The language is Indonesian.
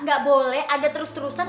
nggak boleh ada terus terusan